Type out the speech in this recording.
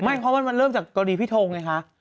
เพราะมันเริ่มจากกรีพิธงนะครับ